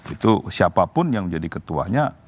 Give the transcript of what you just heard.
itu siapapun yang jadi ketuanya